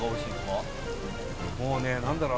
もうねなんだろう。